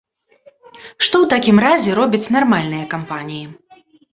Што ў такім разе робяць нармальныя кампаніі?